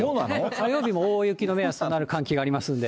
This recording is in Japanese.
火曜日も大雪の目安となる寒気がありますんで。